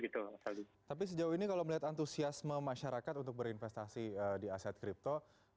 tapi sejauh ini kalau melihat antusiasme masyarakat untuk berinvestasi di aset kripto